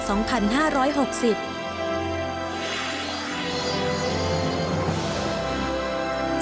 ฉบับวันที่๒๔ตุลาคมพุทธศักราช๒๕๖๐